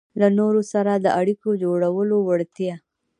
-له نورو سره د اړیکو جوړولو وړتیا